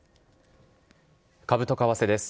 株と為替です。